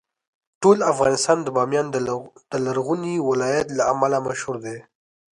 ټول افغانستان د بامیان د لرغوني ولایت له امله مشهور دی.